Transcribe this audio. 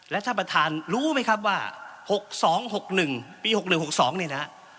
ท่านประธานรู้ไหมครับว่า๖๒๖๑ปี๖๑๖๒เนี่ยนะฮะ